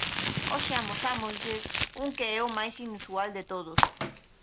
Hoxe amosámoslles un que é o máis inusual de todos.